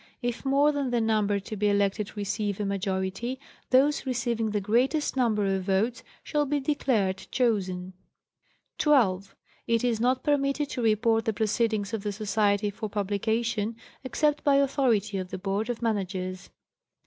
If more than the number to be elected receive a. majority, those receiving the greatest number of votes shall be declared chosen. 12.—It is not permitted to report the proceedings of the Society for publication, except by authority of the Board of Managers.